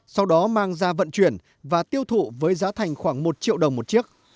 sau đó mang ra vận chuyển và tiêu thụ với giá thành khoảng một triệu đồng một chiếc